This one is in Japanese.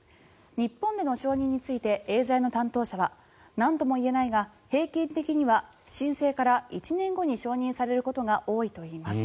日本での承認についてエーザイの担当者は何とも言えないが平均的には申請から１年後には承認されることが多いといいます。